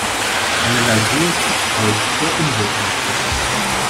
Eine Lasur schützt Holz vor Umwelteinflüssen.